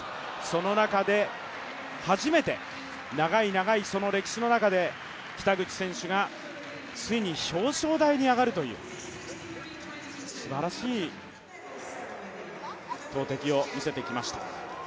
その中で初めて長い長いその歴史の中で北口選手がついに表彰台に上がるという、すばらしい投てきを見せてきました。